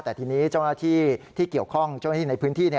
แต่ทีนี้เจ้าหน้าที่ที่เกี่ยวข้องเจ้าหน้าที่ในพื้นที่